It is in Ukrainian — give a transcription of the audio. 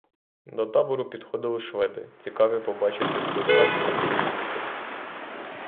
До табору підходили шведи, цікаві побачити зблизька своїх союзників.